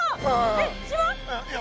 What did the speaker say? えっ島？